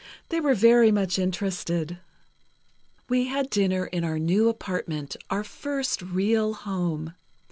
They were very much interested. "We had dinner in our new apartment, our first real home.